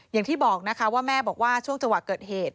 อย่างที่บอกนะคะว่าแม่บอกว่าช่วงจังหวะเกิดเหตุ